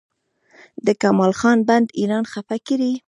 د کمال خان بند ایران خفه کړی؟